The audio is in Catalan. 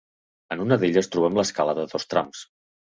En una d'elles trobem l'escala de dos trams.